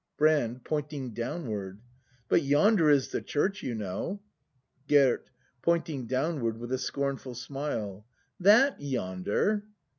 Brand. [Pointing downward.] But yonder is the church, you know! Gerd. [Pointing downward tvith a scornful smile.] That yonder